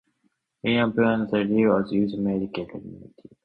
Yerba buena tea leaf were used medicinally.